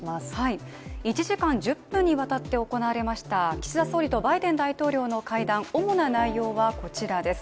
１時間１０分にわたって行われました岸田総理とバイデン大統領の会談、主な内容はこちらです。